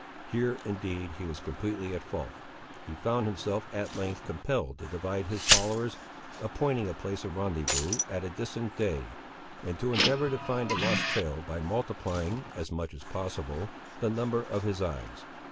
Here, indeed, he was completely at fault. He found himself, at length, compelled to divide his followers, appointing a place of rendezvous at a distant day, and to endeavour to find the lost trail by multiplying, as much as possible, the number of his eyes.